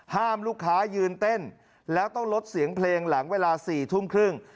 ห้ามลูกค้ายืนเต้นแล้วต้องลดเสียงเพลงหลังเวลา๔ทุ่มครึ่ง